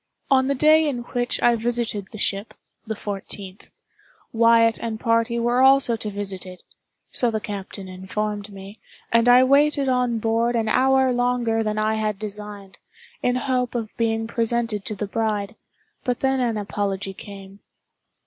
On the day in which I visited the ship (the fourteenth), Wyatt and party were also to visit it—so the captain informed me—and I waited on board an hour longer than I had designed, in hope of being presented to the bride, but then an apology came.